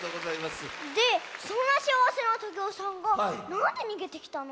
でそんなしあわせなトゲオさんがなんでにげてきたの？